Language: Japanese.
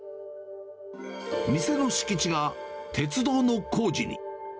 店の敷地が鉄道の工事に。